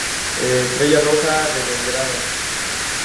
Estrella Roja de Belgrado